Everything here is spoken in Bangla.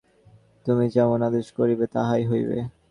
তুমি যেমন আদেশ করিবে, তাহাই হইবে।